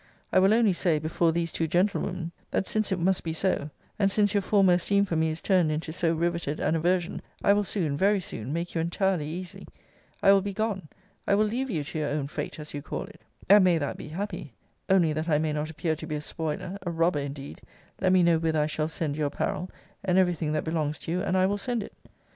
I will only say, before these two gentlewomen, that since it must be so, and since your former esteem for me is turned into so riveted an aversion, I will soon, very soon, make you entirely easy. I will be gone: I will leave you to your own fate, as you call it; and may that be happy! Only, that I may not appear to be a spoiler, a robber indeed, let me know whither I shall send your apparel, and every thing that belongs to you, and I will send it.